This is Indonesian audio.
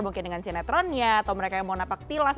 mungkin dengan sinetronnya atau mereka yang mau napak tilas